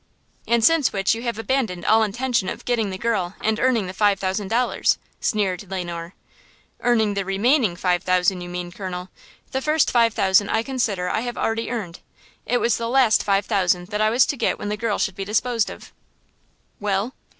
"And since which you have abandoned all intention of getting the girl and earning the five thousand dollars," sneered Le Noir. "Earning the remaining five thousand, you mean, colonel. The first five thousand I consider I have already earned. It was the last five thousand that I was to get when the girl should be disposed of." "Well?"